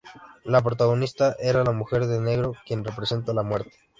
La protagonista era "La mujer de Negro", quien representaba a la muerte.